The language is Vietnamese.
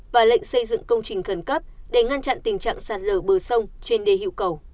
và lệnh xây dựng công trình khẩn cấp để ngăn chặn tình trạng sạt lở bờ sông trên đề hiệu cầu